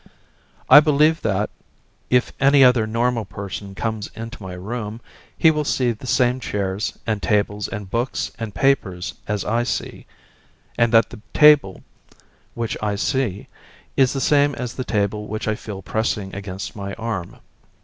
I believe that, if any other normal person comes into my room, he will see the same chairs and tables and books and papers as I see, and that the table which I see is the same as the table which I feel pressing against my arm.